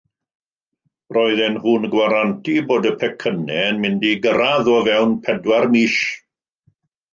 Roedden nhw'n gwarantu bod y pecynnau yn mynd i gyrraedd o fewn pedwar mis.